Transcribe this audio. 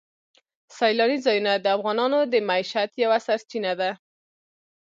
سیلاني ځایونه د افغانانو د معیشت یوه سرچینه ده.